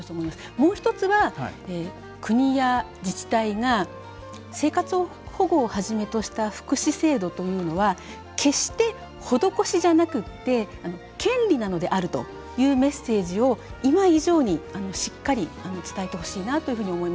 もう１つは国や自治体が生活保護をはじめとした福祉制度というのは決して、施しじゃなくて権利なのであるというメッセージを今以上にしっかり伝えてほしいなというふうに思います。